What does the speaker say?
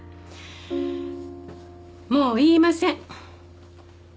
もう言いません